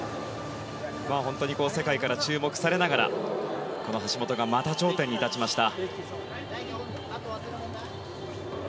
本当に世界から注目されながらこの橋本がまた頂点に立ちました。